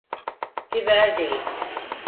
Fiber değil